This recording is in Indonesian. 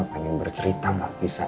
pengen bercerita gak bisa